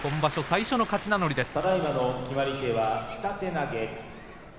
最初の勝ち名乗りです。